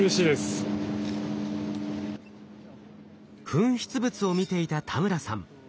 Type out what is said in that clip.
噴出物を見ていた田村さん。